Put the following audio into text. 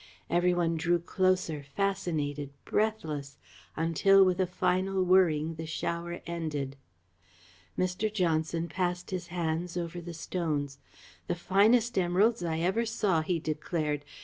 Every one drew closer, fascinated, breathless, until with a final whirring the shower ended. Mr. Johnson passed his hands over the stones. "The finest emeralds I ever saw," he declared.